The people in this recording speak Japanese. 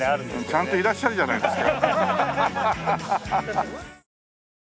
ちゃんといらっしゃるじゃないですか。